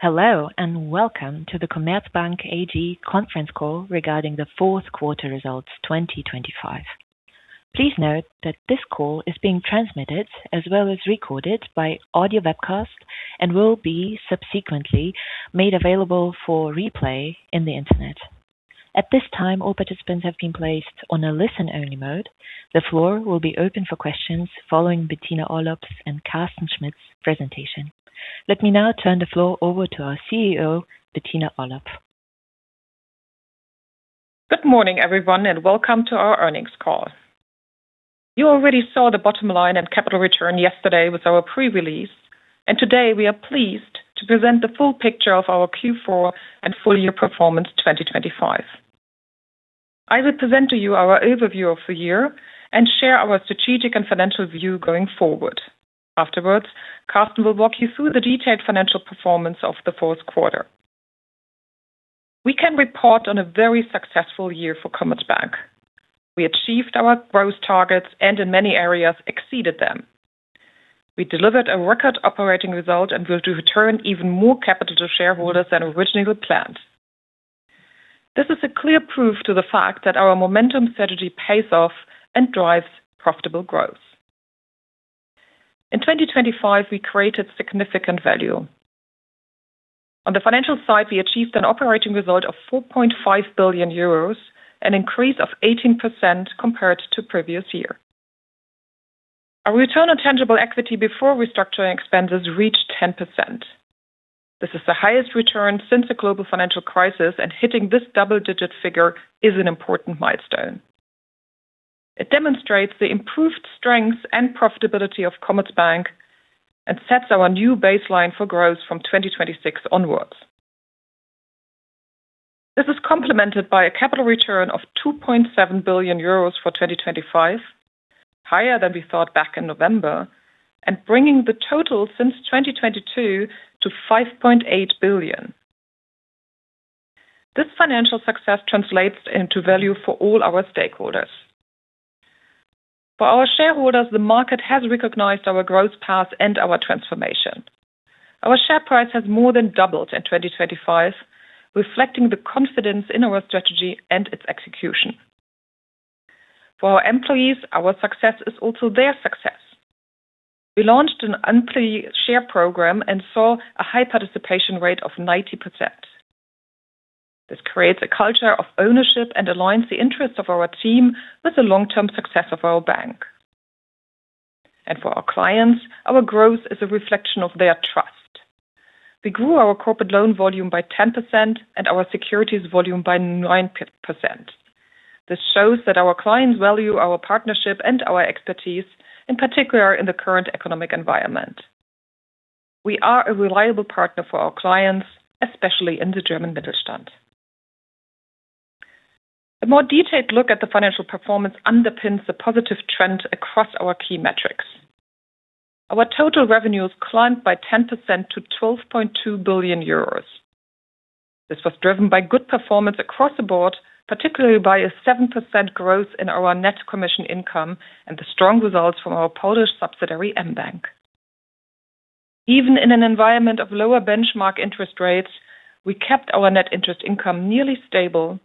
Hello and welcome to the Commerzbank AG conference call regarding the fourth quarter results 2025. Please note that this call is being transmitted as well as recorded by audio webcast and will be, subsequently, made available for replay in the internet. At this time all participants have been placed on a listen-only mode. The floor will be open for questions following Bettina Orlopp's and Carsten Schmitt's presentation. Let me now turn the floor over to our CEO, Bettina Orlopp. Good morning everyone and welcome to our earnings call. You already saw the bottom line and capital return yesterday with our pre-release, and today we are pleased to present the full picture of our Q4 and full-year performance 2025. I will present to you our overview of the year and share our strategic and financial view going forward. Afterwards, Carsten will walk you through the detailed financial performance of the fourth quarter. We can report on a very successful year for Commerzbank. We achieved our growth targets and in many areas exceeded them. We delivered a record operating result and will return even more capital to shareholders than originally planned. This is a clear proof to the fact that our momentum strategy pays off and drives profitable growth. In 2025 we created significant value. On the financial side we achieved an operating result of 4.5 billion euros, an increase of 18% compared to previous year. Our return on tangible equity before restructuring expenses reached 10%. This is the highest return since the global financial crisis, and hitting this double-digit figure is an important milestone. It demonstrates the improved strength and profitability of Commerzbank and sets our new baseline for growth from 2026 onwards. This is complemented by a capital return of 2.7 billion euros for 2025, higher than we thought back in November, and bringing the total since 2022 to 5.8 billion. This financial success translates into value for all our stakeholders. For our shareholders, the market has recognized our growth path and our transformation. Our share price has more than doubled in 2025, reflecting the confidence in our strategy and its execution. For our employees, our success is also their success. We launched an unpaid share program and saw a high participation rate of 90%. This creates a culture of ownership and aligns the interests of our team with the long-term success of our bank. For our clients, our growth is a reflection of their trust. We grew our corporate loan volume by 10% and our securities volume by 9%. This shows that our clients value our partnership and our expertise, in particular in the current economic environment. We are a reliable partner for our clients, especially in the German Mittelstand. A more detailed look at the financial performance underpins a positive trend across our key metrics. Our total revenues climbed by 10% to 12.2 billion euros. This was driven by good performance across the board, particularly by a 7% growth in our net commission income and the strong results from our Polish subsidiary mBank. Even in an environment of lower benchmark interest rates, we kept our net interest income nearly stable,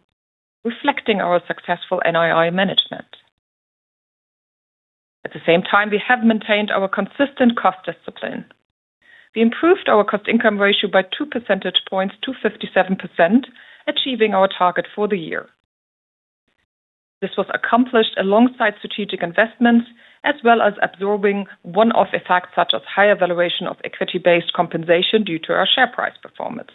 reflecting our successful NII management. At the same time, we have maintained our consistent cost discipline. We improved our cost-income ratio by 2 percentage points, to 57%, achieving our target for the year. This was accomplished alongside strategic investments as well as absorbing one-off effects such as higher valuation of equity-based compensation due to our share price performance.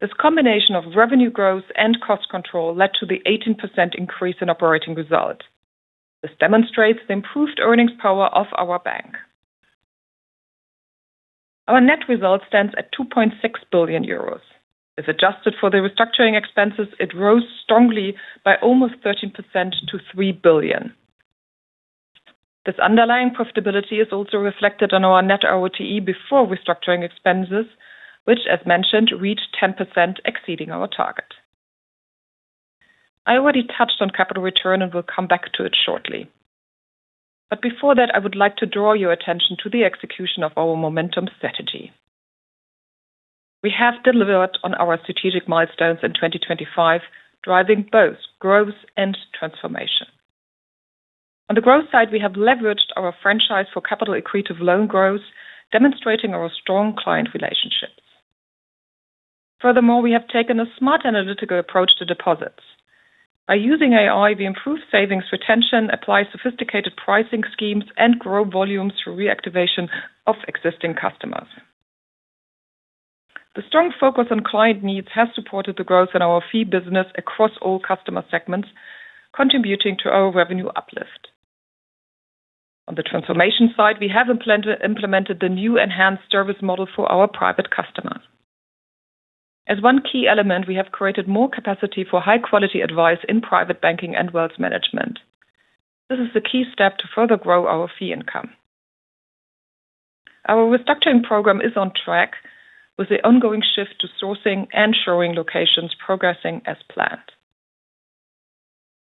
This combination of revenue growth and cost control led to the 18% increase in operating result. This demonstrates the improved earnings power of our bank. Our net result stands at 2.6 billion euros. If adjusted for the restructuring expenses, it rose strongly by almost 13% to 3 billion. This underlying profitability is also reflected on our net ROTE before restructuring expenses, which, as mentioned, reached 10% exceeding our target. I already touched on capital return and will come back to it shortly. But before that, I would like to draw your attention to the execution of our momentum strategy. We have delivered on our strategic milestones in 2025, driving both growth and transformation. On the growth side, we have leveraged our franchise for capital-efficient loan growth, demonstrating our strong client relationships. Furthermore, we have taken a smart analytical approach to deposits. By using AI, we improve savings retention, apply sophisticated pricing schemes, and grow volumes through reactivation of existing customers. The strong focus on client needs has supported the growth in our fee business across all customer segments, contributing to our revenue uplift. On the transformation side, we have implemented the new enhanced service model for our private customers. As one key element, we have created more capacity for high-quality advice in private banking and wealth management. This is the key step to further grow our fee income. Our restructuring program is on track, with the ongoing shift to Sourcing and Shoring locations progressing as planned.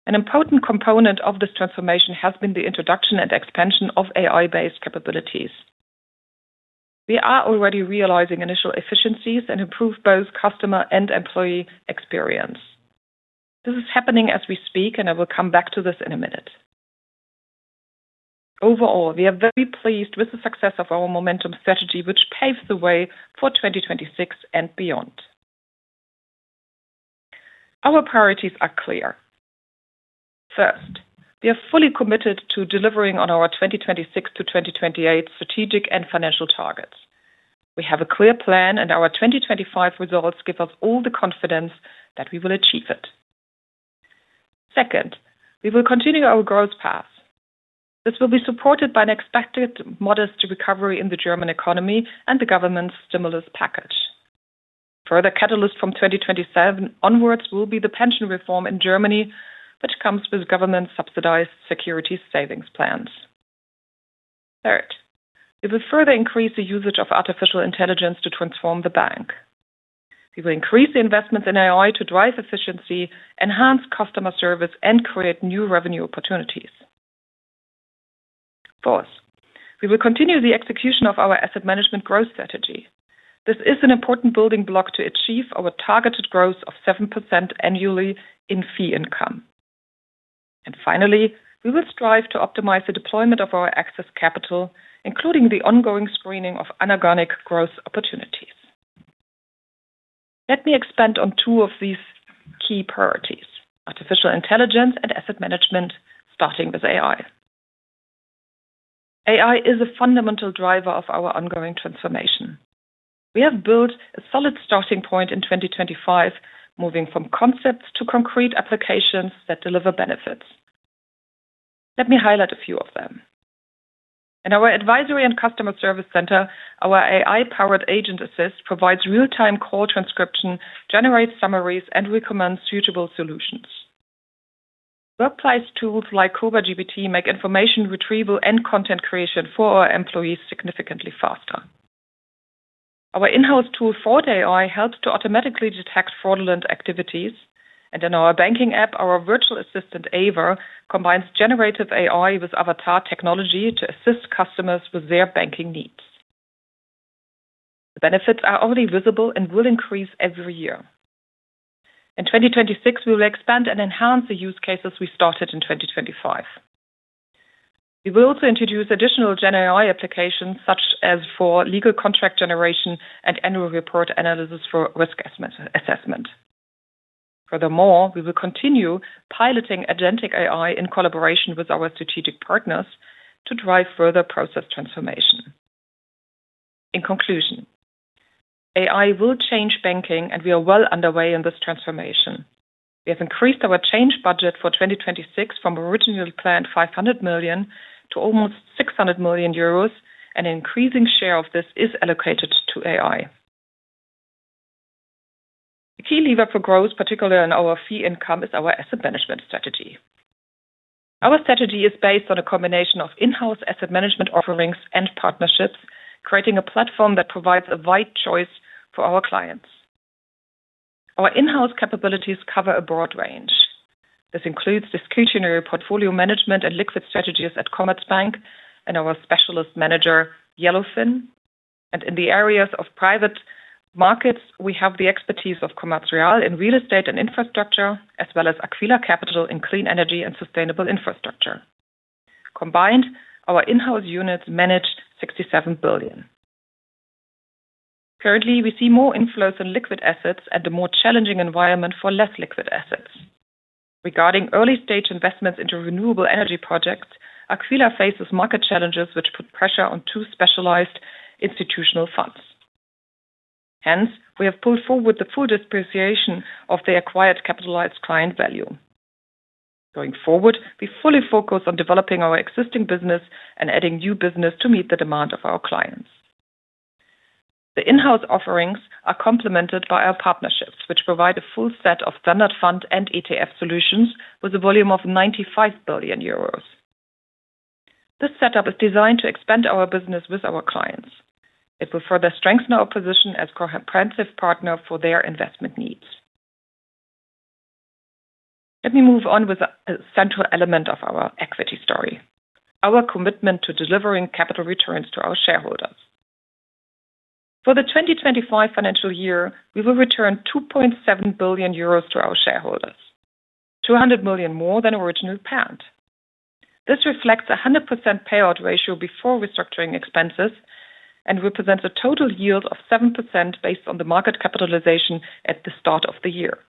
An important component of this transformation has been the introduction and expansion of AI-based capabilities. We are already realizing initial efficiencies and improved both customer and employee experience. This is happening as we speak, and I will come back to this in a minute. Overall, we are very pleased with the success of our momentum strategy, which paves the way for 2026 and beyond. Our priorities are clear. First, we are fully committed to delivering on our 2026 to 2028 strategic and financial targets. We have a clear plan, and our 2025 results give us all the confidence that we will achieve it. Second, we will continue our growth path. This will be supported by an expected modest recovery in the German economy and the government's stimulus package. Further catalysts from 2027 onwards will be the pension reform in Germany, which comes with government-subsidized securities savings plans. Third, we will further increase the usage of artificial intelligence to transform the bank. We will increase the investments in AI to drive efficiency, enhance customer service, and create new revenue opportunities. Fourth, we will continue the execution of our asset management growth strategy. This is an important building block to achieve our targeted growth of 7% annually in fee income. And finally, we will strive to optimize the deployment of our excess capital, including the ongoing screening of inorganic growth opportunities. Let me expand on two of these key priorities: artificial intelligence and asset management, starting with AI. AI is a fundamental driver of our ongoing transformation. We have built a solid starting point in 2025, moving from concepts to concrete applications that deliver benefits. Let me highlight a few of them. In our advisory and customer service center, our AI-powered Agent Assist provides real-time call transcription, generates summaries, and recommends suitable solutions. Workplace tools like ComGPT make information retrieval and content creation for our employees significantly faster. Our in-house tool Fraud AI helps to automatically detect fraudulent activities, and in our banking app, our virtual assistant Ava combines generative AI with avatar technology to assist customers with their banking needs. The benefits are only visible and will increase every year. In 2026, we will expand and enhance the use cases we started in 2025. We will also introduce additional GenAI applications, such as for legal contract generation and annual report analysis for risk assessment. Furthermore, we will continue piloting agentic AI in collaboration with our strategic partners to drive further process transformation. In conclusion, AI will change banking, and we are well underway in this transformation. We have increased our change budget for 2026 from originally planned 500 million to almost 600 million euros, and an increasing share of this is allocated to AI. The key lever for growth, particularly in our fee income, is our asset management strategy. Our strategy is based on a combination of in-house asset management offerings and partnerships, creating a platform that provides a wide choice for our clients. Our in-house capabilities cover a broad range. This includes discretionary portfolio management and liquid strategies at Commerzbank and our specialist manager, Yielco. In the areas of private markets, we have the expertise of Commerz Real in real estate and infrastructure, as well as Aquila Capital in clean energy and sustainable infrastructure. Combined, our in-house units manage 67 billion. Currently, we see more inflows in liquid assets and a more challenging environment for less liquid assets. Regarding early-stage investments into renewable energy projects, Aquila faces market challenges, which put pressure on two specialized institutional funds. Hence, we have pulled forward the full depreciation of the acquired capitalized client value. Going forward, we fully focus on developing our existing business and adding new business to meet the demand of our clients. The in-house offerings are complemented by our partnerships, which provide a full set of standard fund and ETF solutions with a volume of 95 billion euros. This setup is designed to expand our business with our clients. It will further strengthen our position as a comprehensive partner for their investment needs. Let me move on with a central element of our equity story: our commitment to delivering capital returns to our shareholders. For the 2025 financial year, we will return 2.7 billion euros to our shareholders, 200 million more than originally planned. This reflects a 100% payout ratio before restructuring expenses and represents a total yield of 7% based on the market capitalization at the start of the year.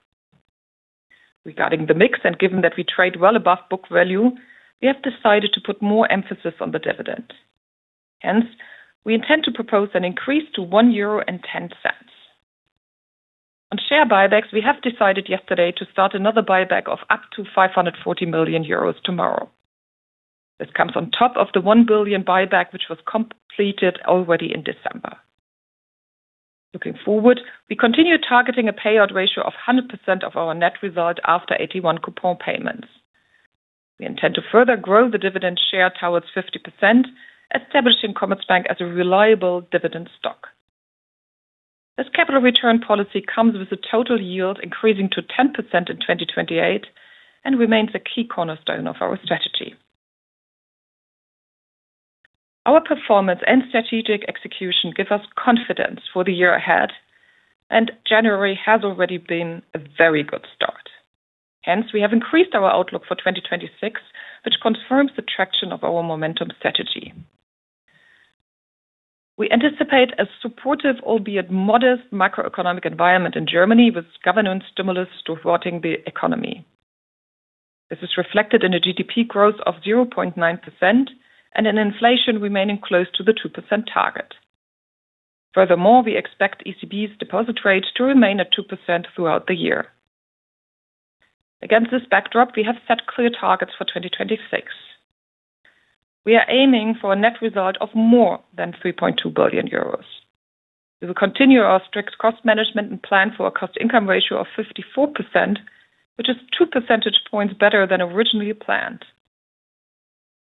Regarding the mix, and given that we trade well above book value, we have decided to put more emphasis on the dividend. Hence, we intend to propose an increase to 1.10 euro. On share buybacks, we have decided yesterday to start another buyback of up to 540 million euros tomorrow. This comes on top of the 1 billion buyback, which was completed already in December. Looking forward, we continue targeting a payout ratio of 100% of our net result after AT1 coupon payments. We intend to further grow the dividend share towards 50%, establishing Commerzbank as a reliable dividend stock. This capital return policy comes with a total yield increasing to 10% in 2028 and remains a key cornerstone of our strategy. Our performance and strategic execution give us confidence for the year ahead, and January has already been a very good start. Hence, we have increased our outlook for 2026, which confirms the traction of our momentum strategy. We anticipate a supportive, albeit modest, macroeconomic environment in Germany with governance stimulus throttling the economy. This is reflected in a GDP growth of 0.9% and an inflation remaining close to the 2% target. Furthermore, we expect ECB's deposit rate to remain at 2% throughout the year. Against this backdrop, we have set clear targets for 2026. We are aiming for a net result of more than 3.2 billion euros. We will continue our strict cost management and plan for a cost-income ratio of 54%, which is 2 percentage points better than originally planned.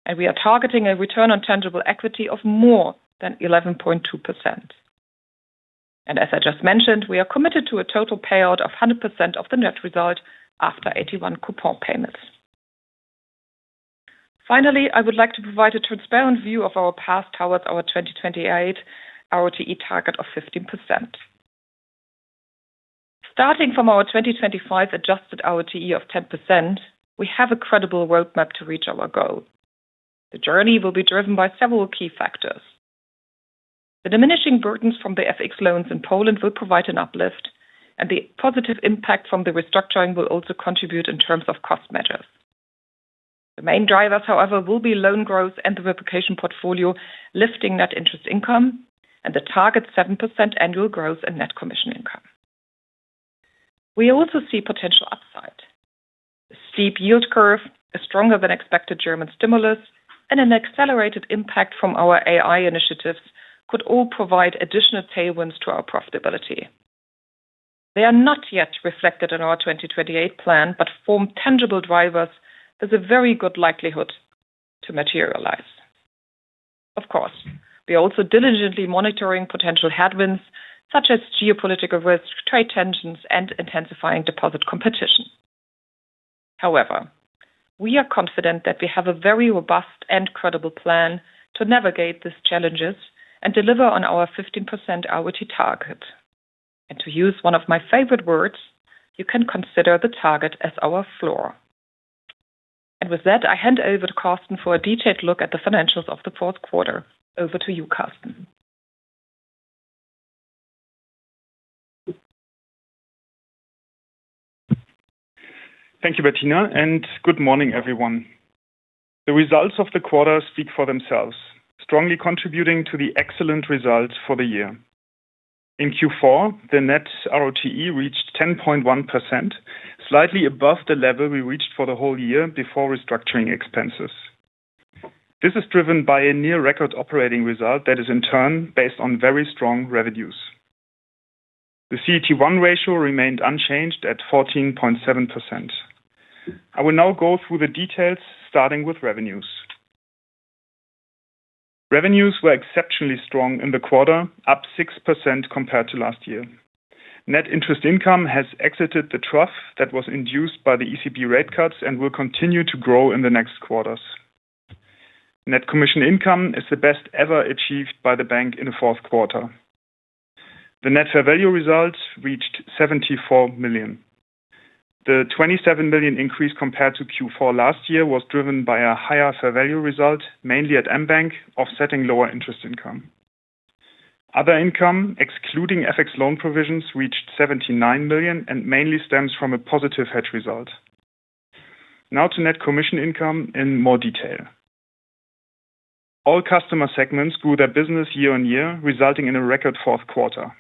And we are targeting a return on tangible equity of more than 11.2%. And as I just mentioned, we are committed to a total payout of 100% of the net result after AT1 coupon payments. Finally, I would like to provide a transparent view of our path towards our 2028 ROTE target of 15%. Starting from our 2025 adjusted ROTE of 10%, we have a credible roadmap to reach our goal. The journey will be driven by several key factors. The diminishing burdens from the FX loans in Poland will provide an uplift, and the positive impact from the restructuring will also contribute in terms of cost measures. The main drivers, however, will be loan growth and the replication portfolio lifting net interest income and the target 7% annual growth in net commission income. We also see potential upside. A steep yield curve, a stronger-than-expected German stimulus, and an accelerated impact from our AI initiatives could all provide additional tailwinds to our profitability. They are not yet reflected in our 2028 plan but form tangible drivers that are very good likelihood to materialize. Of course, we are also diligently monitoring potential headwinds such as geopolitical risk, trade tensions, and intensifying deposit competition. However, we are confident that we have a very robust and credible plan to navigate these challenges and deliver on our 15% ROTE target. To use one of my favorite words, you can consider the target as our floor. With that, I hand over to Carsten for a detailed look at the financials of the fourth quarter. Over to you, Carsten. Thank you, Bettina, and good morning, everyone. The results of the quarter speak for themselves, strongly contributing to the excellent results for the year. In Q4, the net ROTE reached 10.1%, slightly above the level we reached for the whole year before restructuring expenses. This is driven by a near-record operating result that is, in turn, based on very strong revenues. The CET1 ratio remained unchanged at 14.7%. I will now go through the details, starting with revenues. Revenues were exceptionally strong in the quarter, up 6% compared to last year. Net interest income has exited the trough that was induced by the ECB rate cuts and will continue to grow in the next quarters. Net commission income is the best ever achieved by the bank in the fourth quarter. The net fair value results reached 74 million. The 27 million increase compared to Q4 last year was driven by a higher fair value result, mainly at mBank, offsetting lower interest income. Other income, excluding FX loan provisions, reached 79 million and mainly stems from a positive hedge result. Now to net commission income in more detail. All customer segments grew their business year-over-year, resulting in a record fourth quarter.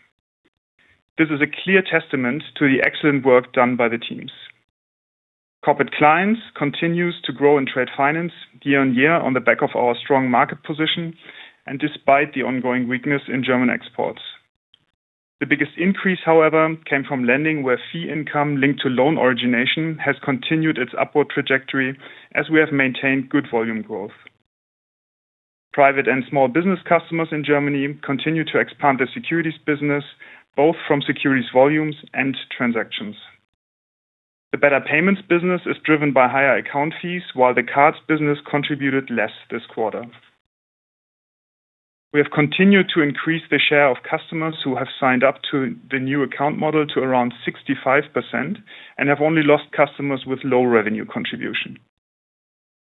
This is a clear testament to the excellent work done by the teams. Corporate Clients continue to grow in trade finance year on year on the back of our strong market position and despite the ongoing weakness in German exports. The biggest increase, however, came from lending, where fee income linked to loan origination has continued its upward trajectory as we have maintained good volume growth. Private and Small-Business Customers in Germany continue to expand their securities business, both from securities volumes and transactions. The better payments business is driven by higher account fees, while the cards business contributed less this quarter. We have continued to increase the share of customers who have signed up to the new account model to around 65% and have only lost customers with low revenue contribution.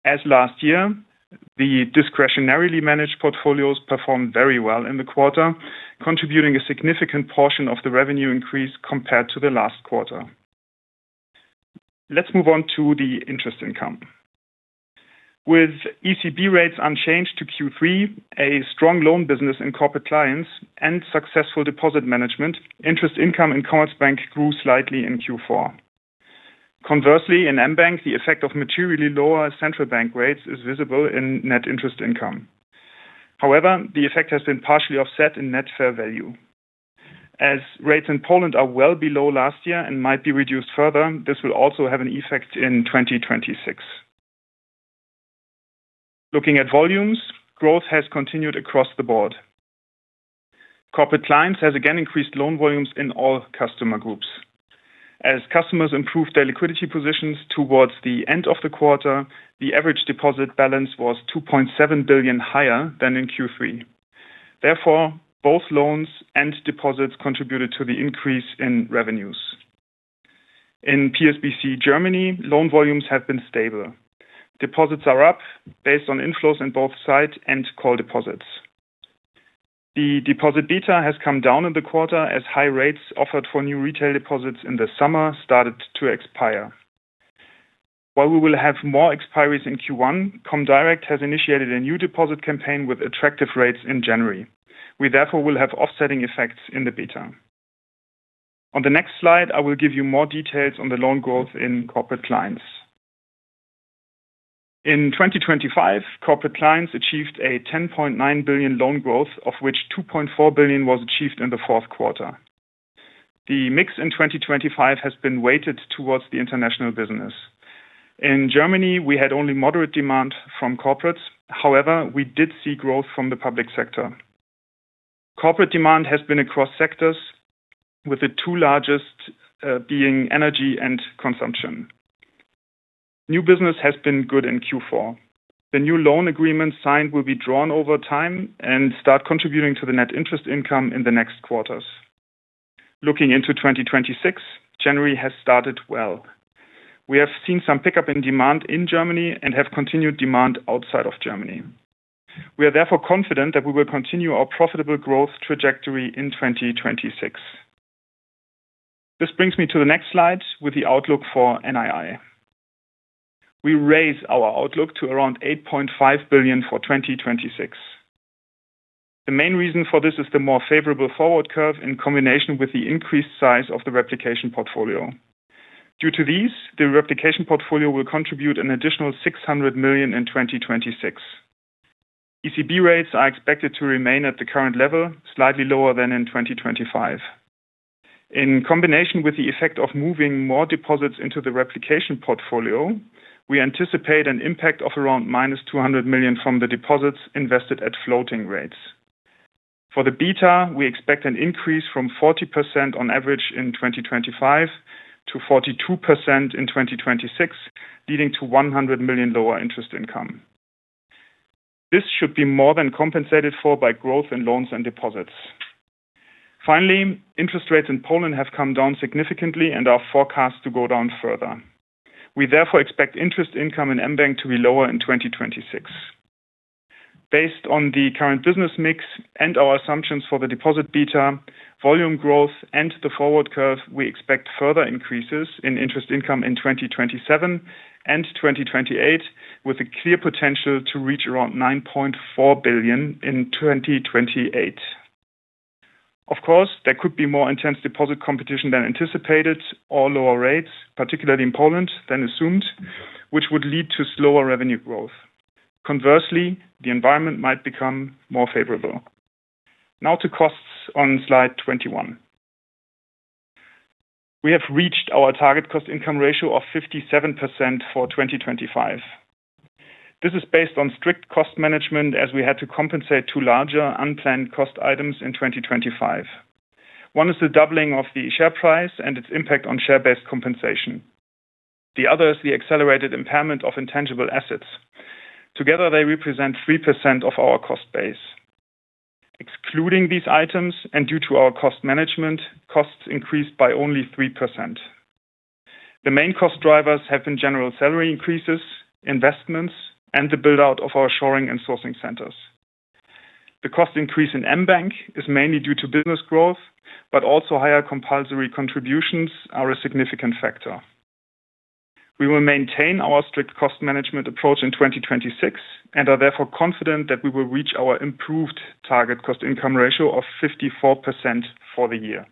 As last year, the discretionarily managed portfolios performed very well in the quarter, contributing a significant portion of the revenue increase compared to the last quarter. Let's move on to the interest income. With ECB rates unchanged to Q3, a strong loan business in corporate clients, and successful deposit management, interest income in Commerzbank grew slightly in Q4. Conversely, in mBank, the effect of materially lower central bank rates is visible in net interest income. However, the effect has been partially offset in net fair value. As rates in Poland are well below last year and might be reduced further, this will also have an effect in 2026. Looking at volumes, growth has continued across the board. Corporate clients have again increased loan volumes in all customer groups. As customers improved their liquidity positions towards the end of the quarter, the average deposit balance was 2.7 billion higher than in Q3. Therefore, both loans and deposits contributed to the increase in revenues. In PSBC Germany, loan volumes have been stable. Deposits are up based on inflows in both sight and call deposits. The deposit beta has come down in the quarter as high rates offered for new retail deposits in the summer started to expire. While we will have more expiries in Q1, Comdirect has initiated a new deposit campaign with attractive rates in January. We, therefore, will have offsetting effects in the beta. On the next slide, I will give you more details on the loan growth in corporate clients. In 2025, corporate clients achieved a 10.9 billion loan growth, of which 2.4 billion was achieved in the fourth quarter. The mix in 2025 has been weighted towards the international business. In Germany, we had only moderate demand from corporates. However, we did see growth from the public sector. Corporate demand has been across sectors, with the two largest being energy and consumption. New business has been good in Q4. The new loan agreements signed will be drawn over time and start contributing to the net interest income in the next quarters. Looking into 2026, January has started well. We have seen some pickup in demand in Germany and have continued demand outside of Germany. We are, therefore, confident that we will continue our profitable growth trajectory in 2026. This brings me to the next slide with the outlook for NII. We raise our outlook to around 8.5 billion for 2026. The main reason for this is the more favorable forward curve in combination with the increased size of the replication portfolio. Due to these, the replication portfolio will contribute an additional 600 million in 2026. ECB rates are expected to remain at the current level, slightly lower than in 2025. In combination with the effect of moving more deposits into the replication portfolio, we anticipate an impact of around -200 million from the deposits invested at floating rates. For the beta, we expect an increase from 40% on average in 2025 to 42% in 2026, leading to 100 million lower interest income. This should be more than compensated for by growth in loans and deposits. Finally, interest rates in Poland have come down significantly and are forecast to go down further. We, therefore, expect interest income in mBank to be lower in 2026. Based on the current business mix and our assumptions for the deposit beta, volume growth, and the forward curve, we expect further increases in interest income in 2027 and 2028, with a clear potential to reach around 9.4 billion in 2028. Of course, there could be more intense deposit competition than anticipated or lower rates, particularly in Poland, than assumed, which would lead to slower revenue growth. Conversely, the environment might become more favorable. Now to costs on slide 21. We have reached our target cost-income ratio of 57% for 2025. This is based on strict cost management as we had to compensate two larger unplanned cost items in 2025. One is the doubling of the share price and its impact on share-based compensation. The other is the accelerated impairment of intangible assets. Together, they represent 3% of our cost base. Excluding these items and due to our cost management, costs increased by only 3%. The main cost drivers have been general salary increases, investments, and the build-out of our sourcing and shoring centers. The cost increase in mBank is mainly due to business growth, but also higher compulsory contributions are a significant factor. We will maintain our strict cost management approach in 2026 and are, therefore, confident that we will reach our improved target cost-income ratio of 54% for the year.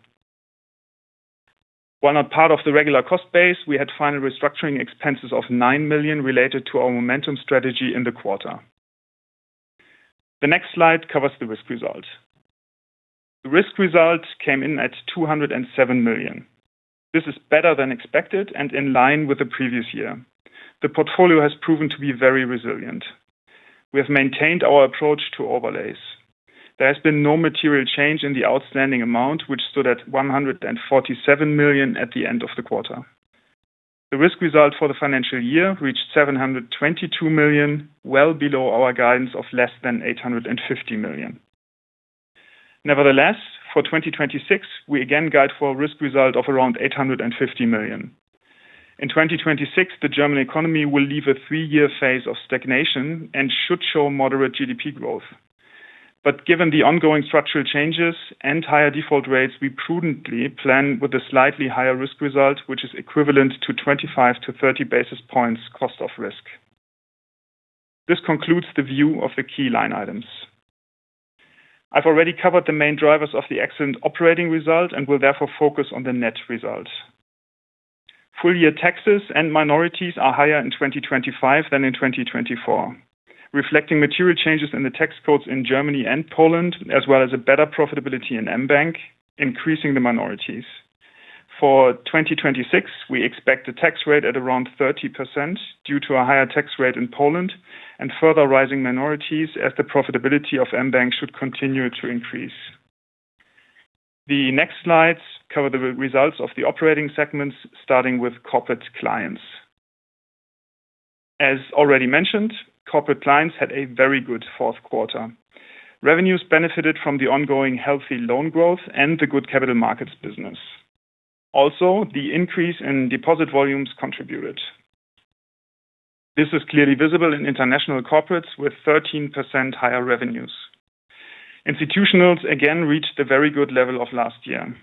While not part of the regular cost base, we had final restructuring expenses of 9 million related to our momentum strategy in the quarter. The next slide covers the risk result. The risk result came in at 207 million. This is better than expected and in line with the previous year. The portfolio has proven to be very resilient. We have maintained our approach to overlays. There has been no material change in the outstanding amount, which stood at 147 million at the end of the quarter. The risk result for the financial year reached 722 million, well below our guidance of less than 850 million. Nevertheless, for 2026, we again guide for a risk result of around 850 million. In 2026, the German economy will leave a three-year phase of stagnation and should show moderate GDP growth. But given the ongoing structural changes and higher default rates, we prudently plan with a slightly higher risk result, which is equivalent to 25-30 basis points cost of risk. This concludes the view of the key line items. I've already covered the main drivers of the excellent operating result and will, therefore, focus on the net result. Full-year taxes and minorities are higher in 2025 than in 2024, reflecting material changes in the tax codes in Germany and Poland, as well as a better profitability in mBank, increasing the minorities. For 2026, we expect a tax rate at around 30% due to a higher tax rate in Poland and further rising minorities as the profitability of mBank should continue to increase. The next slides cover the results of the operating segments, starting with corporate clients. As already mentioned, corporate clients had a very good fourth quarter. Revenues benefited from the ongoing healthy loan growth and the good capital markets business. Also, the increase in deposit volumes contributed. This is clearly visible in international corporates with 13% higher revenues. Institutionals again reached the very good level of last year.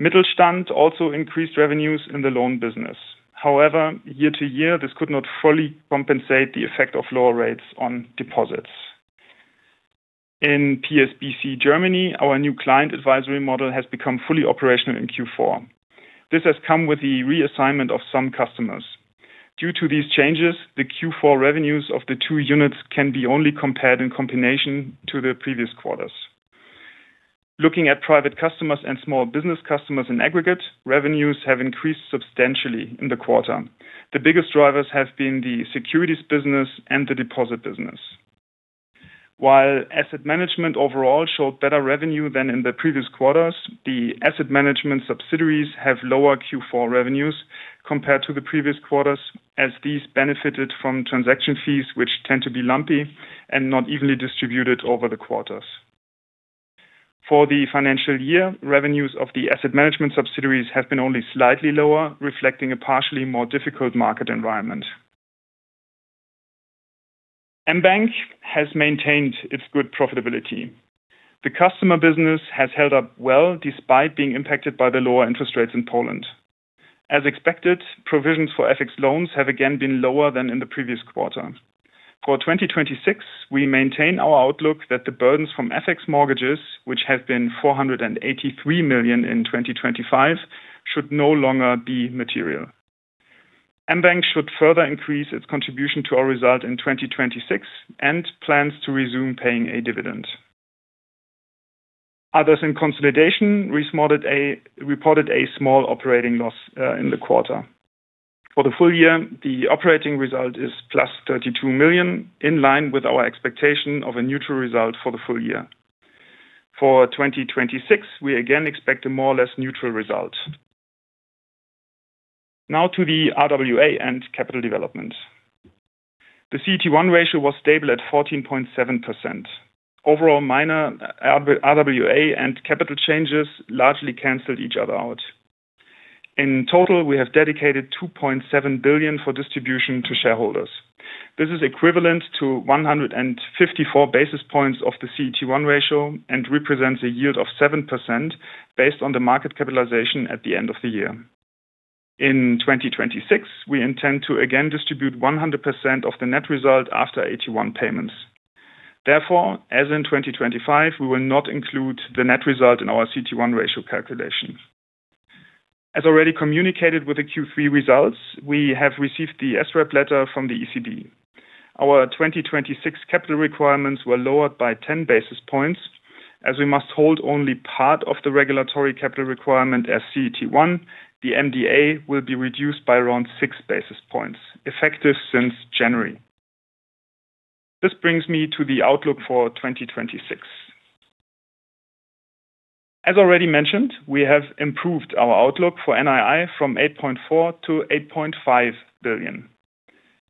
Mittelstand also increased revenues in the loan business. However, year-to-year, this could not fully compensate the effect of lower rates on deposits. In PSBC Germany, our new client advisory model has become fully operational in Q4. This has come with the reassignment of some customers. Due to these changes, the Q4 revenues of the two units can be only compared in combination to the previous quarters. Looking at Private and Small-Business Customers in aggregate, revenues have increased substantially in the quarter. The biggest drivers have been the securities business and the deposit business. While asset management overall showed better revenue than in the previous quarters, the asset management subsidiaries have lower Q4 revenues compared to the previous quarters as these benefited from transaction fees, which tend to be lumpy and not evenly distributed over the quarters. For the financial year, revenues of the asset management subsidiaries have been only slightly lower, reflecting a partially more difficult market environment. mBank has maintained its good profitability. The customer business has held up well despite being impacted by the lower interest rates in Poland. As expected, provisions for FX loans have again been lower than in the previous quarter. For 2026, we maintain our outlook that the burdens from FX mortgages, which have been 483 million in 2025, should no longer be material. mBank should further increase its contribution to our result in 2026 and plans to resume paying a dividend. Others in consolidation reported a small operating loss in the quarter. For the full year, the operating result is +32 million, in line with our expectation of a neutral result for the full year. For 2026, we again expect a more or less neutral result. Now to the RWA and capital development. The CET1 ratio was stable at 14.7%. Overall, minor RWA and capital changes largely canceled each other out. In total, we have dedicated 2.7 billion for distribution to shareholders. This is equivalent to 154 basis points of the CET1 ratio and represents a yield of 7% based on the market capitalization at the end of the year. In 2026, we intend to again distribute 100% of the net result after AT1 payments. Therefore, as in 2025, we will not include the net result in our CET1 ratio calculation. As already communicated with the Q3 results, we have received the SREP letter from the ECB. Our 2026 capital requirements were lowered by 10 basis points. As we must hold only part of the regulatory capital requirement as CET1, the MDA will be reduced by around 6 basis points, effective since January. This brings me to the outlook for 2026. As already mentioned, we have improved our outlook for NII from 8.4 billion to 8.5 billion.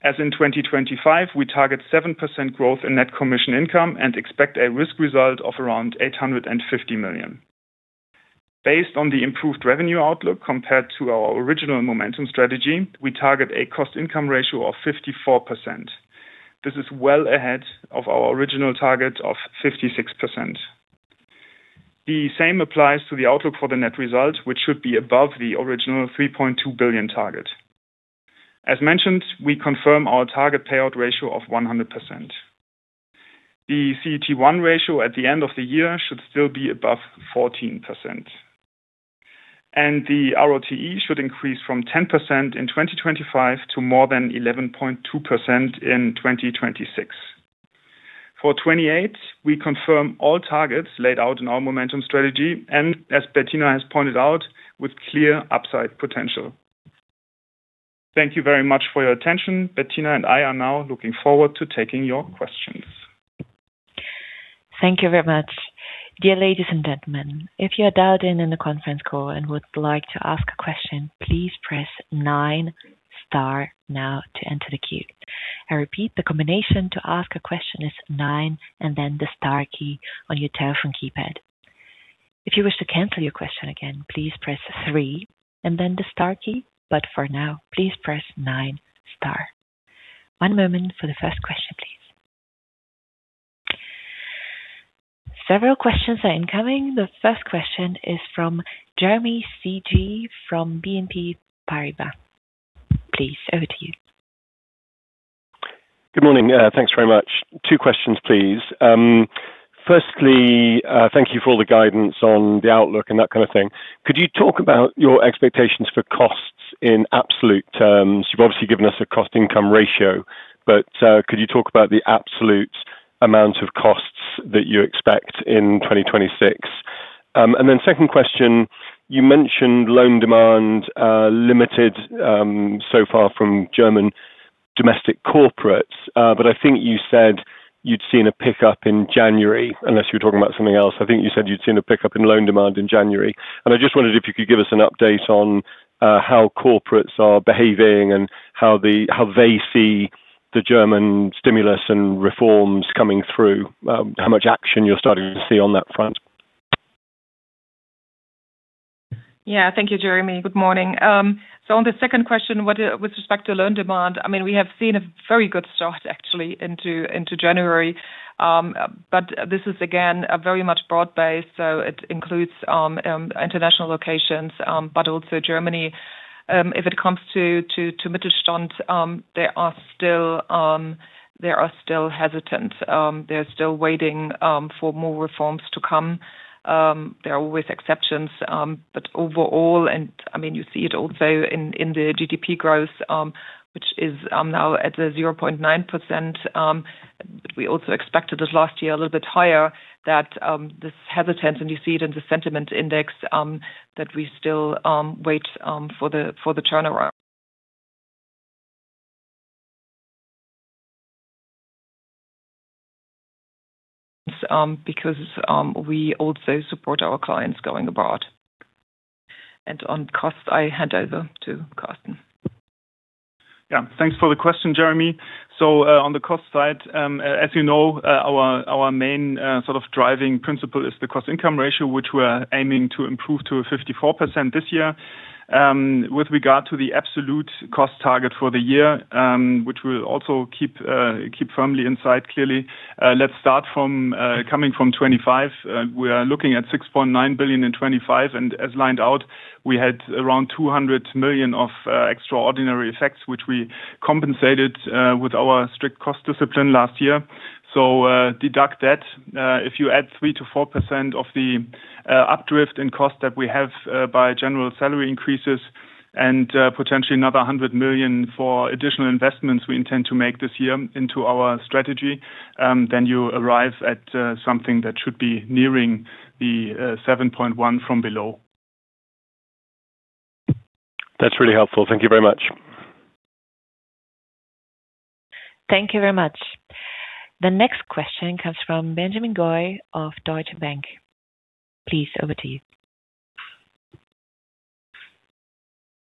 As in 2025, we target 7% growth in net commission income and expect a risk result of around 850 million. Based on the improved revenue outlook compared to our original momentum strategy, we target a cost-income ratio of 54%. This is well ahead of our original target of 56%. The same applies to the outlook for the net result, which should be above the original 3.2 billion target. As mentioned, we confirm our target payout ratio of 100%. The CET1 ratio at the end of the year should still be above 14%. And the ROTE should increase from 10% in 2025 to more than 11.2% in 2026. For 2028, we confirm all targets laid out in our momentum strategy and, as Bettina has pointed out, with clear upside potential. Thank you very much for your attention. Bettina and I are now looking forward to taking your questions. Thank you very much. Dear ladies and gentlemen, if you are dialed in in the conference call and would like to ask a question, please press 9* now to enter the queue. I repeat, the combination to ask a question is 9 and then the star key on your telephone keypad. If you wish to cancel your question again, please press 3 and then the star key, but for now, please press 9*. One moment for the first question, please. Several questions are incoming. The first question is from Jeremy Sigee from BNP Paribas. Please, over to you. Good morning. Thanks very much. Two questions, please. Firstly, thank you for all the guidance on the outlook and that kind of thing. Could you talk about your expectations for costs in absolute terms? You've obviously given us a Cost-Income Ratio, but could you talk about the absolute amount of costs that you expect in 2026? And then second question, you mentioned loan demand limited so far from German domestic corporates, but I think you said you'd seen a pickup in January, unless you were talking about something else. I think you said you'd seen a pickup in loan demand in January. And I just wondered if you could give us an update on how corporates are behaving and how they see the German stimulus and reforms coming through, how much action you're starting to see on that front. Yeah, thank you, Jeremy. Good morning. So on the second question, with respect to loan demand, I mean, we have seen a very good start, actually, into January. But this is, again, very much broad-based, so it includes international locations, but also Germany. If it comes to Mittelstand, they are still hesitant. They're still waiting for more reforms to come. There are always exceptions. But overall, and I mean, you see it also in the GDP growth, which is now at 0.9%, but we also expected it last year a little bit higher, that this hesitance, and you see it in the sentiment index, that we still wait for the turnaround because we also support our clients going abroad. And on cost, I hand over to Carsten. Yeah, thanks for the question, Jeremy. So on the cost side, as you know, our main sort of driving principle is the cost-income ratio, which we're aiming to improve to 54% this year. With regard to the absolute cost target for the year, which we'll also keep firmly inside, clearly, let's start coming from 2025. We are looking at 6.9 billion in 2025, and as lined out, we had around 200 million of extraordinary effects, which we compensated with our strict cost discipline last year. So deduct that. If you add 3%-4% of the updrift in cost that we have by general salary increases and potentially another 100 million for additional investments we intend to make this year into our strategy, then you arrive at something that should be nearing the 7.1 billion from below. That's really helpful. Thank you very much. Thank you very much. The next question comes from Benjamin Goy of Deutsche Bank. Please, over to you.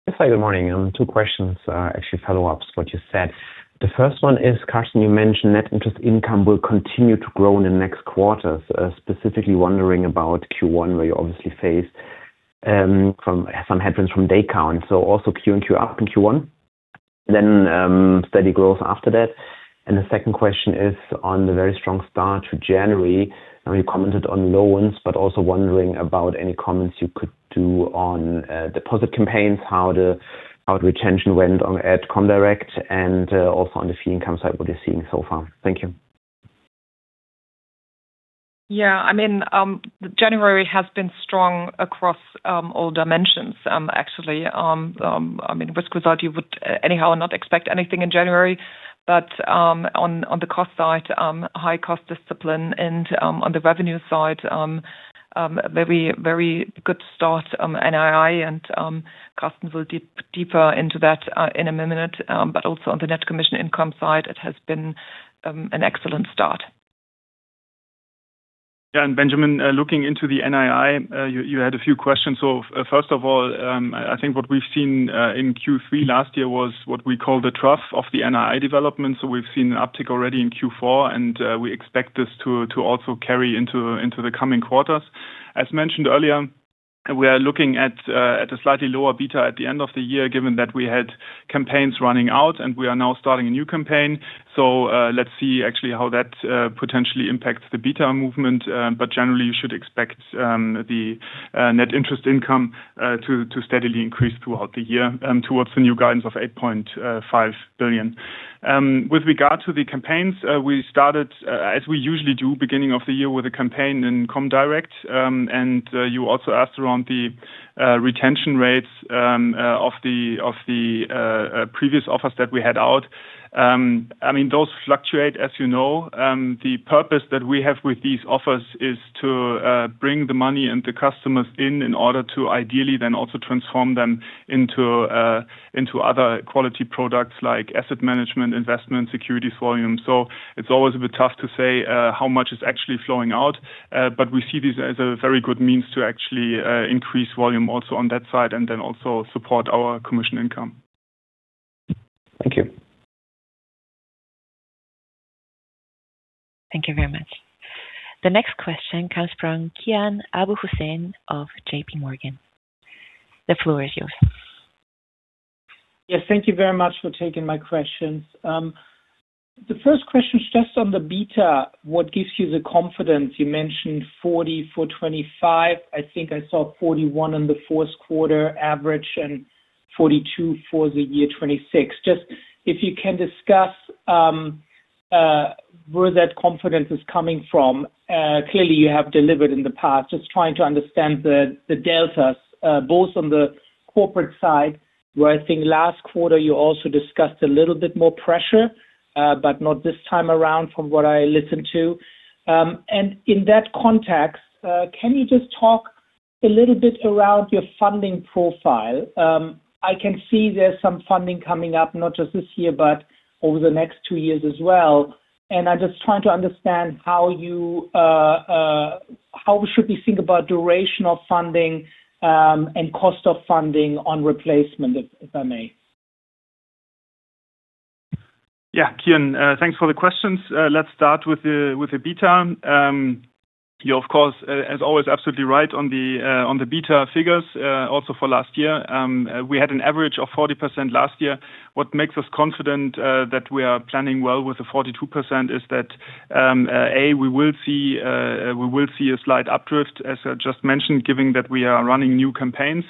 Yes, hi, good morning. Two questions, actually follow-ups to what you said. The first one is, Carsten, you mentioned net interest income will continue to grow in the next quarters. Specifically, wondering about Q1, where you obviously face some headwinds from daycount. So also Q and Q up in Q1, then steady growth after that. And the second question is on the very strong start to January. I mean, you commented on loans, but also wondering about any comments you could do on deposit campaigns, how the retention went at Comdirect, and also on the fee income side, what you're seeing so far. Thank you. Yeah, I mean, January has been strong across all dimensions, actually. I mean, risk result, you would anyhow not expect anything in January. But on the cost side, high cost discipline, and on the revenue side, very, very good start. NII and Carsten will deeper into that in a minute. But also on the net commission income side, it has been an excellent start. Yeah, and Benjamin, looking into the NII, you had a few questions. So first of all, I think what we've seen in Q3 last year was what we call the trough of the NII development. So we've seen an uptick already in Q4, and we expect this to also carry into the coming quarters. As mentioned earlier, we are looking at a slightly lower beta at the end of the year, given that we had campaigns running out, and we are now starting a new campaign. So let's see, actually, how that potentially impacts the beta movement. But generally, you should expect the net interest income to steadily increase throughout the year towards the new guidance of 8.5 billion. With regard to the campaigns, we started, as we usually do, beginning of the year with a campaign in Comdirect. You also asked around the retention rates of the previous offers that we had out. I mean, those fluctuate, as you know. The purpose that we have with these offers is to bring the money and the customers in order to ideally then also transform them into other quality products like asset management, investment, securities volume. So it's always a bit tough to say how much is actually flowing out. But we see these as a very good means to actually increase volume also on that side and then also support our commission income. Thank you. Thank you very much. The next question comes from Kian Abouhossein of J.P. Morgan. The floor is yours. Yes, thank you very much for taking my questions. The first question is just on the beta, what gives you the confidence? You mentioned 40 for 2025. I think I saw 41 in the fourth quarter average and 42 for the year 2026. Just if you can discuss where that confidence is coming from. Clearly, you have delivered in the past. Just trying to understand the deltas, both on the corporate side, where I think last quarter you also discussed a little bit more pressure, but not this time around from what I listened to. And in that context, can you just talk a little bit around your funding profile? I can see there's some funding coming up, not just this year, but over the next two years as well. I'm just trying to understand how we should think about duration of funding and cost of funding on replacement, if I may. Yeah, Kian, thanks for the questions. Let's start with the beta. You're, of course, as always, absolutely right on the beta figures, also for last year. We had an average of 40% last year. What makes us confident that we are planning well with the 42% is that, A, we will see a slight updrift, as I just mentioned, given that we are running new campaigns.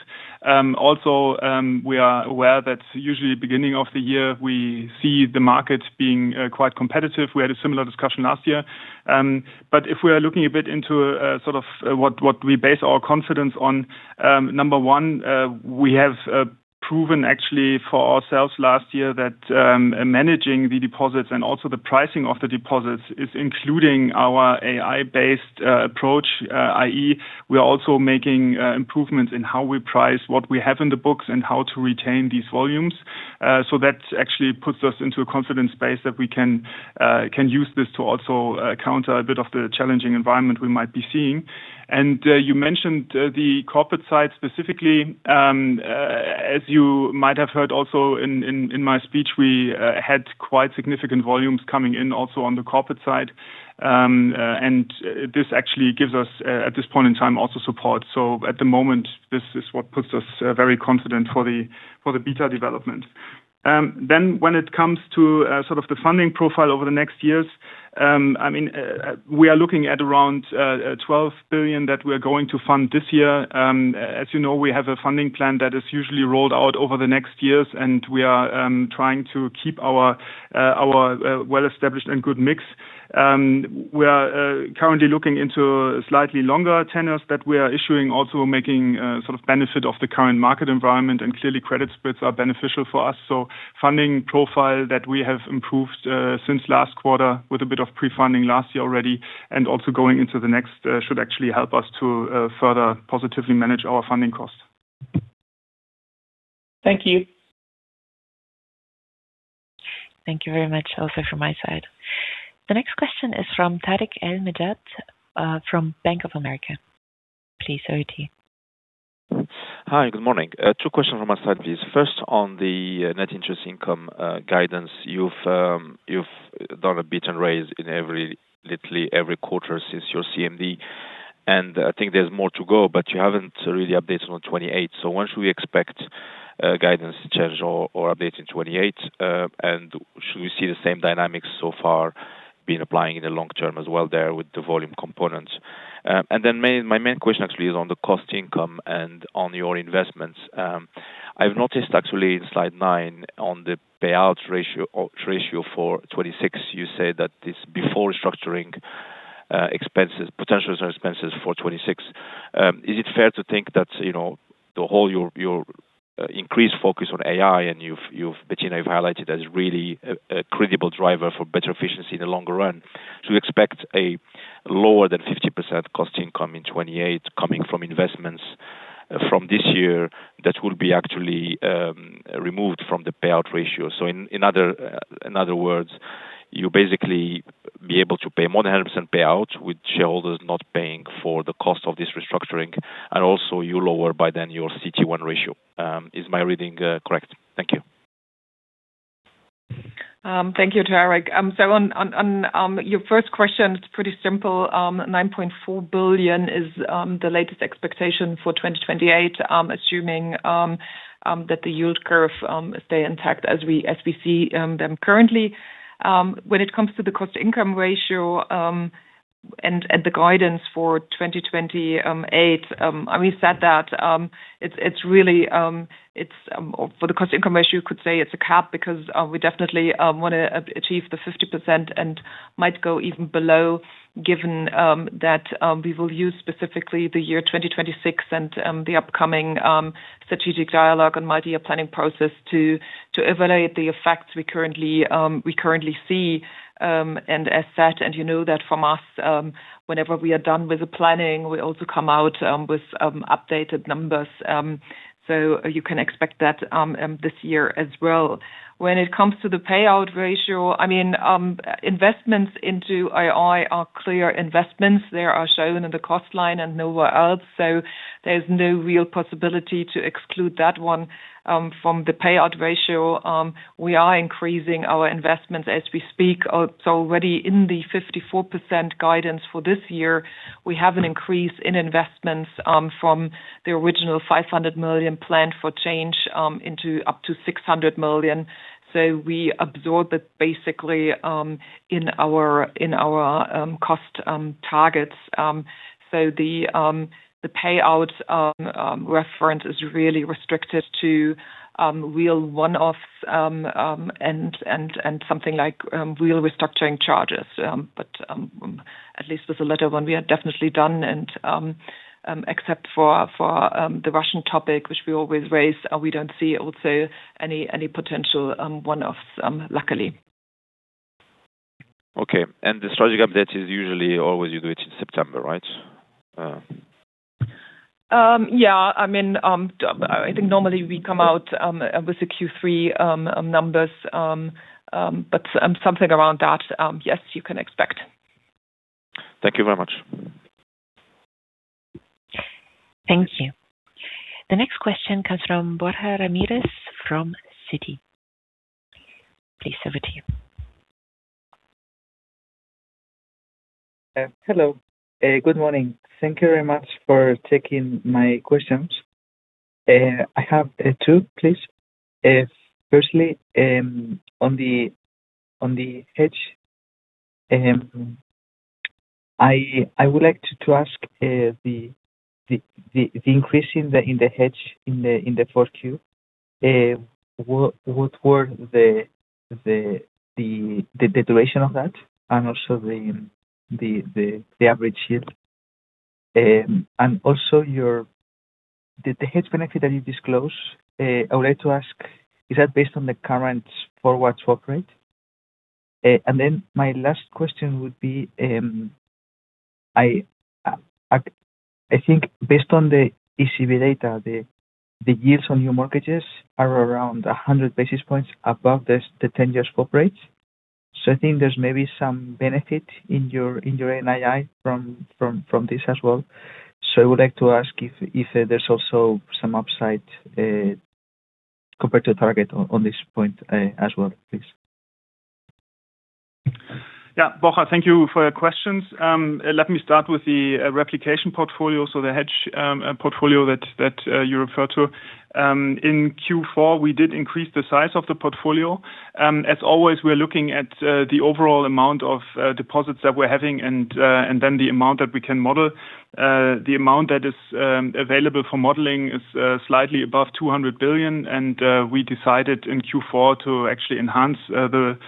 Also, we are aware that usually beginning of the year, we see the market being quite competitive. We had a similar discussion last year. But if we are looking a bit into sort of what we base our confidence on, number one, we have proven, actually, for ourselves last year that managing the deposits and also the pricing of the deposits is including our AI-based approach, i.e., we are also making improvements in how we price what we have in the books and how to retain these volumes. So that actually puts us into a confident space that we can use this to also counter a bit of the challenging environment we might be seeing. And you mentioned the corporate side, specifically. As you might have heard also in my speech, we had quite significant volumes coming in also on the corporate side. And this actually gives us, at this point in time, also support. So at the moment, this is what puts us very confident for the beta development. Then when it comes to sort of the funding profile over the next years, I mean, we are looking at around 12 billion that we are going to fund this year. As you know, we have a funding plan that is usually rolled out over the next years, and we are trying to keep our well-established and good mix. We are currently looking into slightly longer tenures that we are issuing, also making sort of benefit of the current market environment, and clearly, credit spreads are beneficial for us. So funding profile that we have improved since last quarter with a bit of pre-funding last year already and also going into the next should actually help us to further positively manage our funding costs. Thank you. Thank you very much also from my side. The next question is from Tarik El Mejjad from Bank of America. Please, over to you. Hi, good morning. Two questions from my side, please. First, on the net interest income guidance, you've done a bit and raised in literally every quarter since your CMD. And I think there's more to go, but you haven't really updated on 2028. So when should we expect guidance change or update in 2028? And should we see the same dynamics so far being applying in the long term as well there with the volume component? And then my main question, actually, is on the cost income and on your investments. I've noticed, actually, in slide 9, on the payout ratio for 2026, you say that it's before restructuring expenses, potential expenses for 2026. Is it fair to think that the whole increased focus on AI, and Bettina, you've highlighted as really a credible driver for better efficiency in the longer run, should we expect a lower than 50% cost income in 2028 coming from investments from this year that will be actually removed from the payout ratio? So in other words, you basically be able to pay more than 100% payout with shareholders not paying for the cost of this restructuring, and also you lower by then your CET1 ratio. Is my reading correct? Thank you. Thank you, Tarik. So on your first question, it's pretty simple. 9.4 billion is the latest expectation for 2028, assuming that the yield curve stays intact as we see them currently. When it comes to the cost-income ratio and the guidance for 2028, I mean, you said that it's really for the cost-income ratio, you could say it's a cap because we definitely want to achieve the 50% and might go even below, given that we will use specifically the year 2026 and the upcoming strategic dialogue and multi-year planning process to evaluate the effects we currently see. And as said, and you know that from us, whenever we are done with the planning, we also come out with updated numbers. So you can expect that this year as well. When it comes to the payout ratio, I mean, investments into NII are clear investments. They are shown in the cost line and nowhere else. So there's no real possibility to exclude that one from the payout ratio. We are increasing our investments as we speak. So already in the 54% guidance for this year, we have an increase in investments from the original 500 million planned for change into up to 600 million. So we absorb it basically in our cost targets. So the payout ratio is really restricted to real one-offs and something like real restructuring charges. But at least with the latter one, we are definitely done. And except for the Russian topic, which we always raise, we don't see also any potential one-offs, luckily. Okay. The strategy update is usually always you do it in September, right? Yeah. I mean, I think normally we come out with the Q3 numbers. But something around that, yes, you can expect. Thank you very much. Thank you. The next question comes from Borja Ramirez from Citi. Please, over to you. Hello. Good morning. Thank you very much for taking my questions. I have two, please. Firstly, on the hedge, I would like to ask the increase in the hedge in the 4Q, what were the duration of that and also the average yield? And also the hedge benefit that you disclosed, I would like to ask, is that based on the current forward curve? And then my last question would be, I think based on the ECB data, the yields on new mortgages are around 100 basis points above the 10-year swap rates. So I think there's maybe some benefit in your NII from this as well. So I would like to ask if there's also some upside compared to target on this point as well, please. Yeah, Borja, thank you for your questions. Let me start with the replication portfolio, so the hedge portfolio that you referred to. In Q4, we did increase the size of the portfolio. As always, we are looking at the overall amount of deposits that we're having and then the amount that we can model. The amount that is available for modeling is slightly above 200 billion, and we decided in Q4 to actually enhance the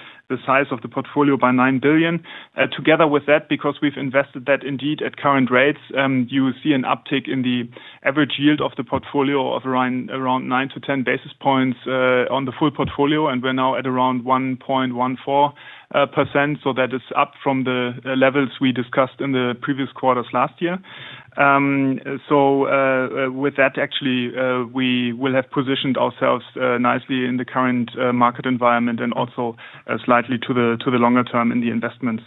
size of the portfolio by 9 billion. Together with that, because we've invested that indeed at current rates, you see an uptick in the average yield of the portfolio of around 9-10 basis points on the full portfolio, and we're now at around 1.14%. So that is up from the levels we discussed in the previous quarters last year. So with that, actually, we will have positioned ourselves nicely in the current market environment and also slightly to the longer term in the investments.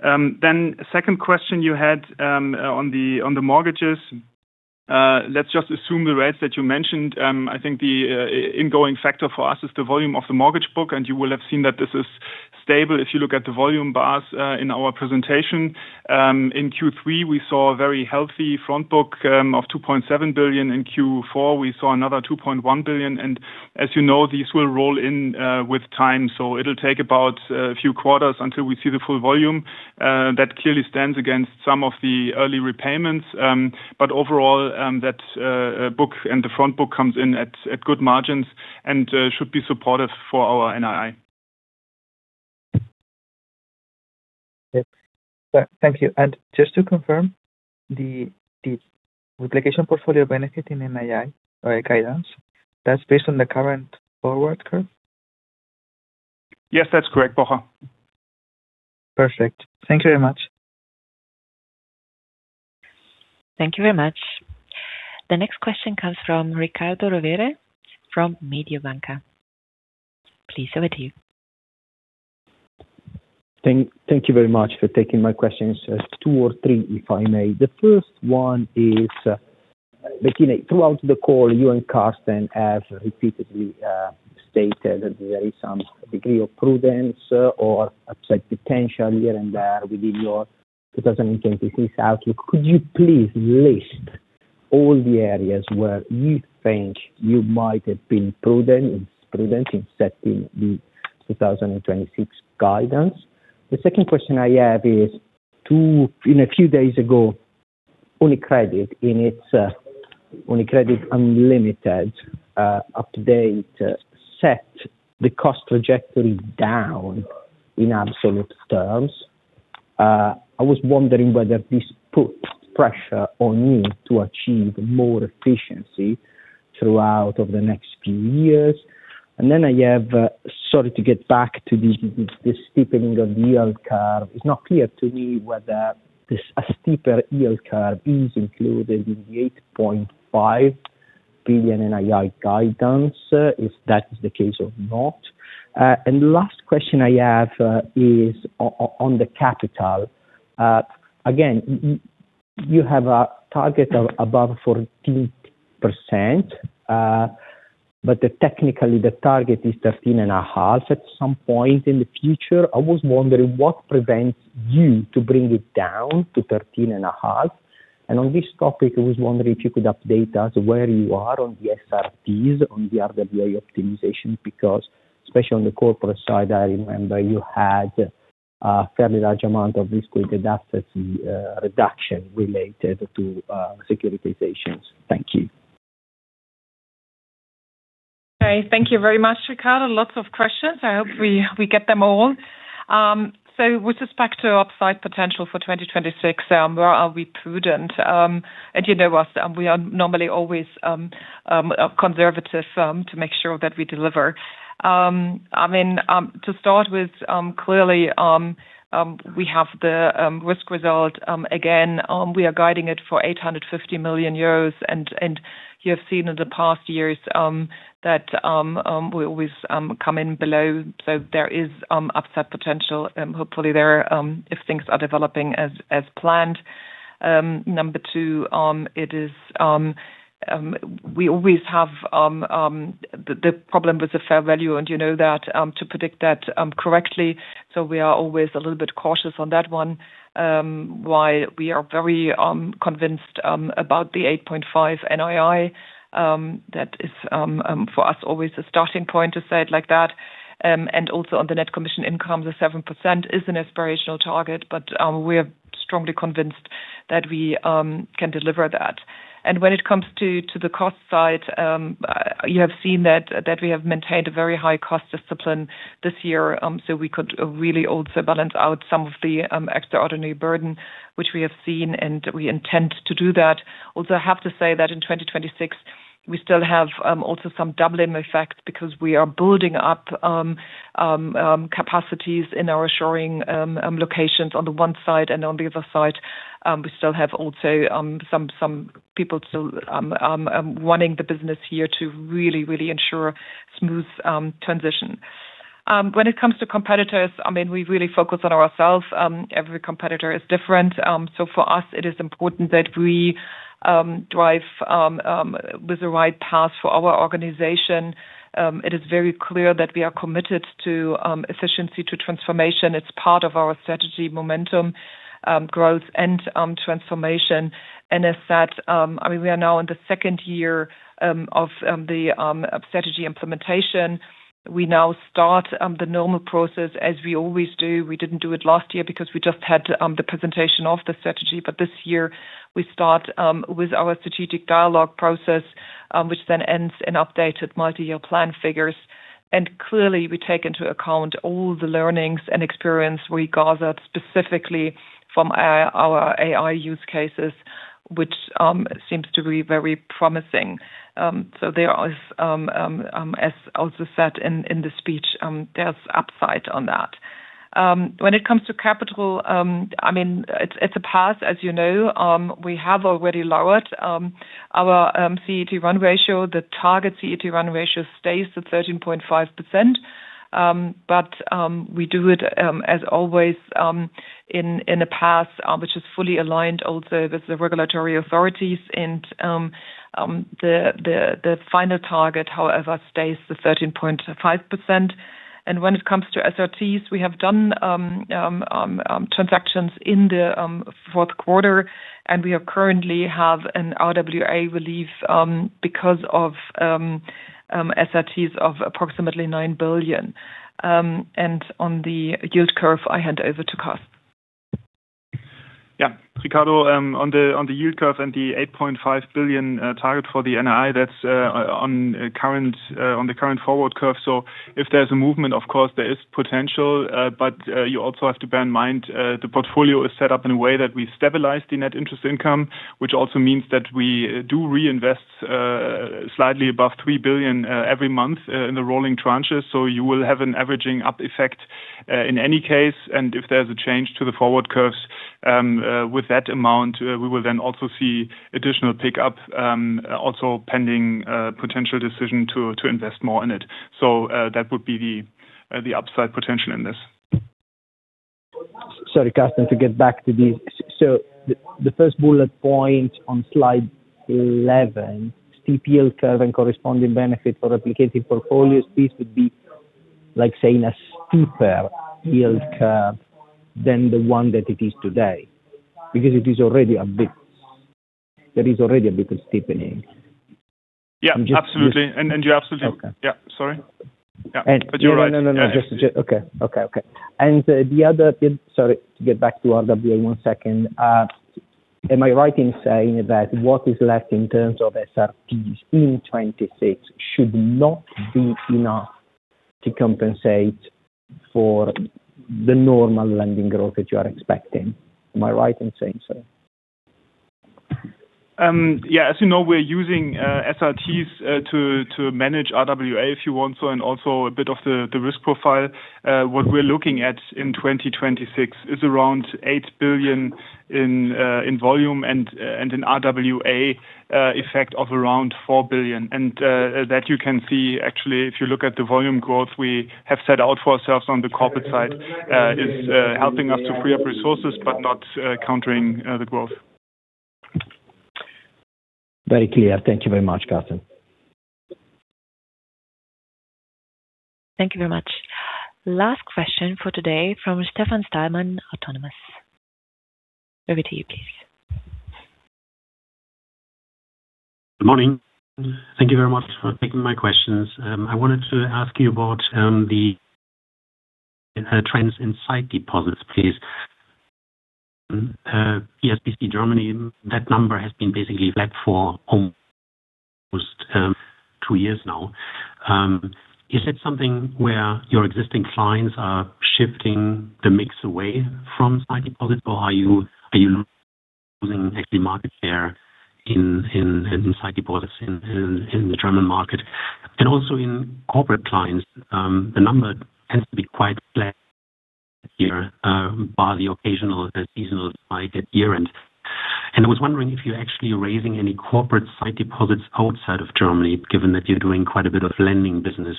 Then, second question you had on the mortgages. Let's just assume the rates that you mentioned. I think the ingoing factor for us is the volume of the mortgage book, and you will have seen that this is stable if you look at the volume bars in our presentation. In Q3, we saw a very healthy front book of 2.7 billion. In Q4, we saw another 2.1 billion. And as you know, these will roll in with time. So it'll take about a few quarters until we see the full volume. That clearly stands against some of the early repayments. But overall, that book and the front book comes in at good margins and should be supportive for our NII. Thank you. Just to confirm, the Replication Portfolio benefit in NII guidance, that's based on the current forward curve? Yes, that's correct, Borja. Perfect. Thank you very much. Thank you very much. The next question comes from Riccardo Rovere from Mediobanca. Please, over to you. Thank you very much for taking my questions. Two or three, if I may. The first one is, Bettina, throughout the call, you and Carsten have repeatedly stated that there is some degree of prudence or upside potential here and there within your 2026 outlook. Could you please list all the areas where you think you might have been prudent in setting the 2026 guidance? The second question I have is, a few days ago, UniCredit in its UniCredit Unlocked update set the cost trajectory down in absolute terms. I was wondering whether this put pressure on you to achieve more efficiency throughout the next few years. And then I have sorry to get back to this steepening of the yield curve. It's not clear to me whether a steeper yield curve is included in the 8.5 billion NII guidance, if that is the case or not. The last question I have is on the capital. Again, you have a target above 14%, but technically, the target is 13.5% at some point in the future. I was wondering what prevents you to bring it down to 13.5%. And on this topic, I was wondering if you could update us where you are on the SREP, on the RWA optimization, because especially on the corporate side, I remember you had a fairly large amount of liquid assets reduction related to securitizations. Thank you. Okay. Thank you very much, Riccardo. Lots of questions. I hope we get them all. So with respect to upside potential for 2026, where are we prudent? And you know us. We are normally always conservative to make sure that we deliver. I mean, to start with, clearly, we have the risk result. Again, we are guiding it for 850 million euros. And you have seen in the past years that we always come in below. So there is upside potential, hopefully, if things are developing as planned. Number two, we always have the problem with the fair value, and you know that, to predict that correctly. So we are always a little bit cautious on that one, while we are very convinced about the 8.5 NII. That is for us always a starting point to say it like that. Also on the net commission incomes, the 7% is an aspirational target, but we are strongly convinced that we can deliver that. When it comes to the cost side, you have seen that we have maintained a very high cost discipline this year. We could really also balance out some of the extraordinary burden, which we have seen, and we intend to do that. Also, I have to say that in 2026, we still have also some doubling effects because we are building up capacities in our assuring locations on the one side, and on the other side, we still have also some people still wanting the business here to really, really ensure smooth transition. When it comes to competitors, I mean, we really focus on ourselves. Every competitor is different. For us, it is important that we drive with the right path for our organization. It is very clear that we are committed to efficiency, to transformation. It's part of our strategy momentum, growth, and transformation. As said, I mean, we are now in the second year of the strategy implementation. We now start the normal process as we always do. We didn't do it last year because we just had the presentation of the strategy. But this year, we start with our strategic dialogue process, which then ends in updated multi-year plan figures. Clearly, we take into account all the learnings and experience we gathered specifically from our AI use cases, which seems to be very promising. There is, as also said in the speech, there's upside on that. When it comes to capital, I mean, it's a path, as you know. We have already lowered our CET1 ratio. The target CET1 ratio stays at 13.5%. We do it, as always, in a path which is fully aligned also with the regulatory authorities. The final target, however, stays the 13.5%. When it comes to SRTs, we have done transactions in the fourth quarter, and we currently have an RWA, we leave because of SRTs of approximately 9 billion. On the yield curve, I hand over to Carsten. Yeah, Riccardo, on the yield curve and the 8.5 billion target for the NII, that's on the current forward curve. So if there's a movement, of course, there is potential. But you also have to bear in mind the portfolio is set up in a way that we stabilize the net interest income, which also means that we do reinvest slightly above 3 billion every month in the rolling tranches. So you will have an averaging up effect in any case. And if there's a change to the forward curves with that amount, we will then also see additional pickup, also pending potential decision to invest more in it. So that would be the upside potential in this. Sorry, Carsten, to get back to this. So the first bullet point on slide 11, steep yield curve and corresponding benefit for replication portfolios, please would be saying a steeper yield curve than the one that it is today because it is already a bit. There is already a bit of steepening. Yeah, absolutely. And you absolutely, yeah. Sorry. Yeah, but you're right. No, no, no, no. Okay, okay, okay. And the other, sorry, to get back to RWA one second. Am I right in saying that what is left in terms of SRTs in 2026 should not be enough to compensate for the normal lending growth that you are expecting? Am I right in saying so? Yeah, as you know, we're using SRTs to manage RWA, if you want so, and also a bit of the risk profile. What we're looking at in 2026 is around 8 billion in volume and an RWA effect of around 4 billion. And that you can see, actually, if you look at the volume growth we have set out for ourselves on the corporate side is helping us to free up resources but not countering the growth. Very clear. Thank you very much, Carsten. Thank you very much. Last question for today from Stefan Stalmann, Autonomous. Over to you, please. Good morning. Thank you very much for taking my questions. I wanted to ask you about the trends inside deposits, please. Sight deposits, Germany, that number has been basically flat for almost two years now. Is that something where your existing clients are shifting the mix away from sight deposits, or are you losing actually market share inside deposits in the German market? And also in corporate clients, the number tends to be quite flat here by the occasional seasonal spike at year-end. And I was wondering if you're actually raising any corporate sight deposits outside of Germany, given that you're doing quite a bit of lending business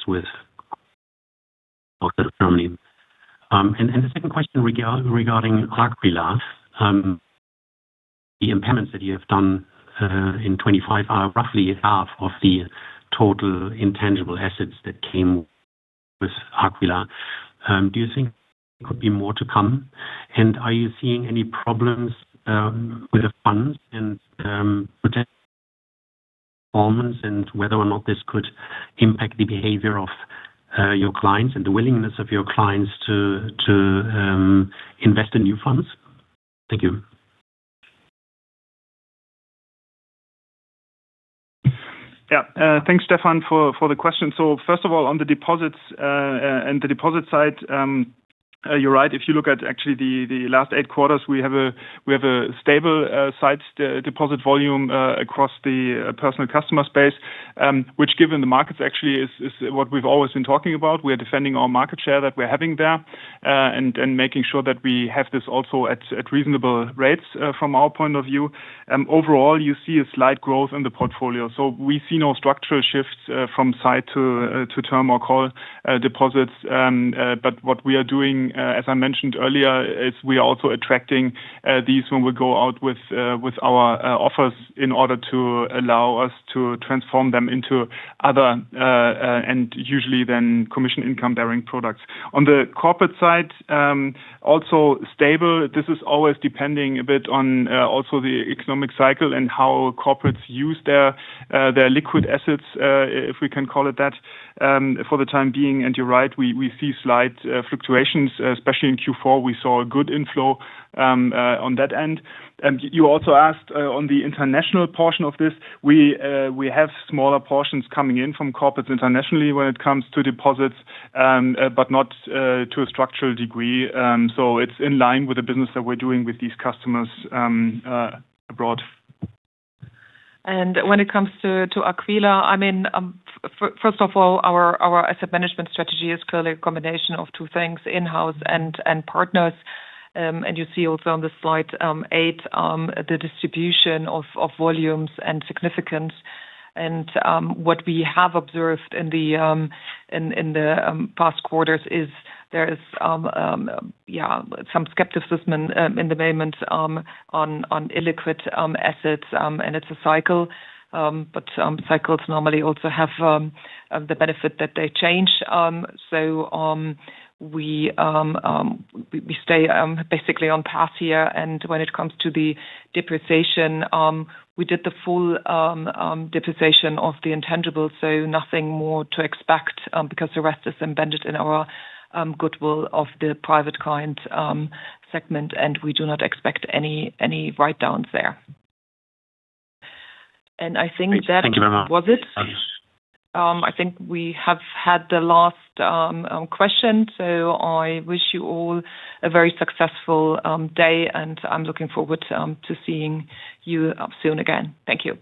outside of Germany. And the second question regarding Aquila, the impairments that you have done in 2025 are roughly half of the total intangible assets that came with Aquila. Do you think there could be more to come? Are you seeing any problems with the funds and performance and whether or not this could impact the behavior of your clients and the willingness of your clients to invest in new funds? Thank you. Yeah, thanks, Stefan, for the question. So first of all, on the deposits and the deposit side, you're right. If you look at actually the last eight quarters, we have a stable sight deposit volume across the personal customer space, which, given the markets, actually is what we've always been talking about. We are defending our market share that we're having there and making sure that we have this also at reasonable rates from our point of view. Overall, you see a slight growth in the portfolio. So we see no structural shifts from sight to term or call deposits. But what we are doing, as I mentioned earlier, is we are also attracting these when we go out with our offers in order to allow us to transform them into other and usually then commission-income-bearing products. On the corporate side, also stable. This is always depending a bit on also the economic cycle and how corporates use their liquid assets, if we can call it that, for the time being. You're right. We see slight fluctuations. Especially in Q4, we saw a good inflow on that end. You also asked on the international portion of this. We have smaller portions coming in from corporates internationally when it comes to deposits, but not to a structural degree. It's in line with the business that we're doing with these customers abroad. And when it comes to Aquila, I mean, first of all, our asset management strategy is clearly a combination of two things: in-house and partners. And you see also on the slide 8 the distribution of volumes and significance. And what we have observed in the past quarters is there is, yeah, some skepticism in the moment on illiquid assets. And it's a cycle. But cycles normally also have the benefit that they change. So we stay basically on path here. And when it comes to the depreciation, we did the full depreciation of the intangibles. So nothing more to expect because the rest is embedded in our goodwill of the private client segment. And we do not expect any write-downs there. And I think that was it. Thank you very much. I think we have had the last question. I wish you all a very successful day. I'm looking forward to seeing you soon again. Thank you.